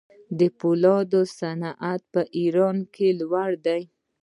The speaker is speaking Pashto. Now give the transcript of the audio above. د فولادو صنعت په ایران کې لوی دی.